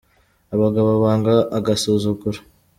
Abagabo banga agasuzuguro.